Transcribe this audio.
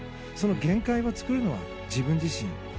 その限界を作るのは自分自身。